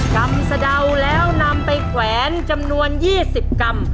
ำสะเดาแล้วนำไปแขวนจำนวน๒๐กรัม